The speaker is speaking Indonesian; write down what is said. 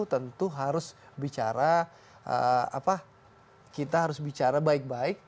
tentu harus bicara kita harus bicara baik baik